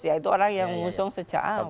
ya itu orang yang mengusung sejak awal